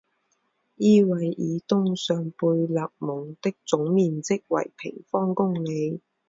伊韦尔东上贝勒蒙的总面积为平方公里。